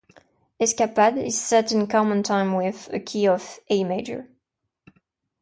"Escapade" is set in common time with a key of A major.